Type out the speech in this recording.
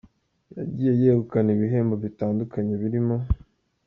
Yagiye yegukana ibihembo bitandukanye birimo.